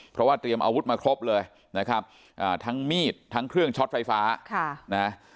เพราะว่าเตรียมอาวุธมาครบเลยทั้งมีดทั้งเครื่องช็อตไฟฟ้า